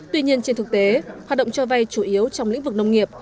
tuy nhiên trên thực tế hoạt động cho vay chủ yếu trong lĩnh vực nông nghiệp